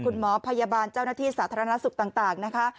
คุณหมอพยาบาลเจ้าหน้าที่สาธารณสุขต่างนะคะ